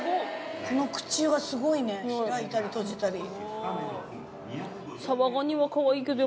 この口がスゴいね開いたり閉じたり。